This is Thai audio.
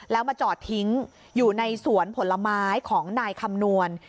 แล้วมาจอดทิ้งอยู่ในสวนผลไม้ของนายคำนวณ